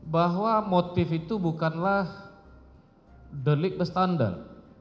bahwa motif itu bukanlah delik bestandal